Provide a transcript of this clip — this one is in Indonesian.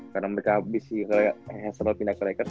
karena mereka habis hazrel pindah ke lakers